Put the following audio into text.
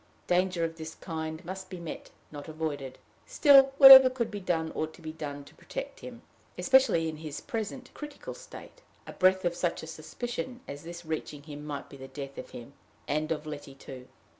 Danger of this kind must be met, not avoided. Still, whatever could be done ought to be done to protect him, especially in his present critical state. A breath of such a suspicion as this reaching him might be the death of him, and of Letty, too.